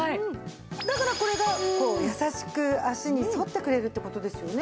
だからこれが優しく足にそってくれるって事ですよね。